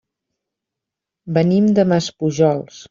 Venim de Maspujols.